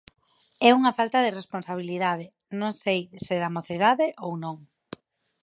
É unha falta de responsabilidade, non sei se da mocidade ou non.